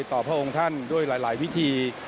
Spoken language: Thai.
พระองค์ท่านด้วยหลายวิธี